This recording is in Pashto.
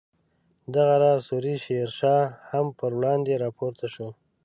دغه راز سوري شیر شاه هم پر وړاندې راپورته شو.